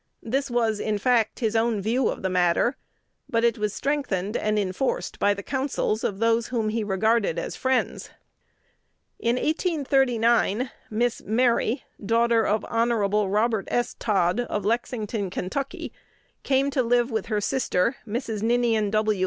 This was, in fact, his own view of the matter; but it was strengthened and enforced by the counsels of those whom he regarded as friends. [Miss Mary Lincoln. Wife of the President 270] In 1839 Miss Mary, daughter of Hon. Robert S. Todd of Lexington, Ky., came to live with her sister, Mrs. Ninian W.